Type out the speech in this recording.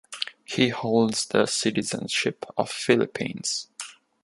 He holds the citizenship of Philippines.